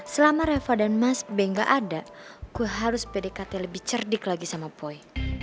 selama reva dan mas bey gak ada gue harus pdkt lebih cerdik lagi sama poi